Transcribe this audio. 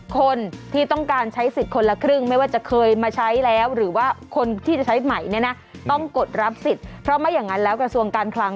คนที่จะใช้ใหม่ต้องกดรับสิทธิ์เพราะไม่อย่างนั้นแล้วกระทรวงการคลัง